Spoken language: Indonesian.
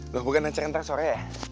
lo bukan nancar nanti sore ya